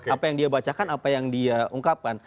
apa yang dia bacakan apa yang dia ungkapkan